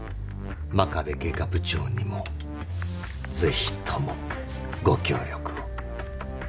真壁外科部長にも是非ともご協力を。